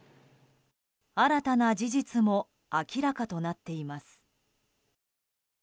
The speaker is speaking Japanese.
新たな事実も明らかとなっています。